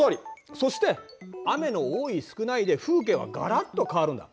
そして雨の多い少ないで風景はガラッと変わるんだ。